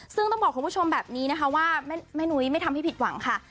ซึ่งต้องบอกคุณผู้ชมแบบนี้นะคะว่าแม่นุ้ยไม่ทำให้ผิดหวังค่ะ